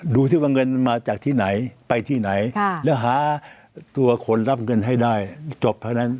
ดูสิว่าเงินมาจากที่ไหนไปที่ไหนแล้วหาตัวคนรับเงินให้ได้จบเท่านั้น